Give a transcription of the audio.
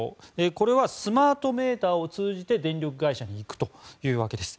これはスマートメーターを通じて電力会社に行くというわけです。